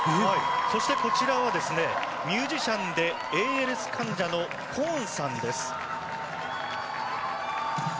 そして、こちらはミュージシャンでＡＬＳ患者のポーンさんです。